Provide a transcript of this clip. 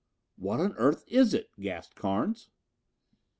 "What on earth is it?" gasped Carnes.